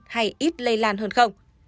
hay ít lây lan hơn không